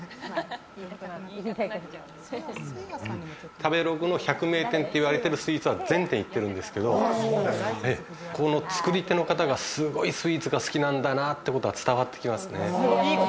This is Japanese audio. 食べログの１００名店っていわれているスイーツは全部行っているんですけれど、作り手の方がすごくスイーツが好きなんだなというのが伝わってきます。